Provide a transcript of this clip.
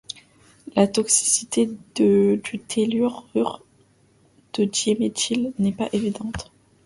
La toxicité du tellurure de diméthyle n'est pas évidente.